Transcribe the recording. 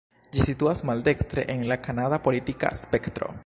Ĝi situas maldekstre en la kanada politika spektro.